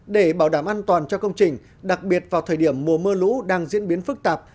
để bảo đảm an toàn cho công trình đặc biệt vào thời điểm mùa mưa lũ đang diễn biến phức tạp